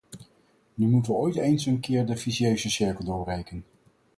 Nu moeten we ooit eens een keer de vicieuze cirkel doorbreken.